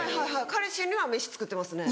彼氏には飯作ってますね。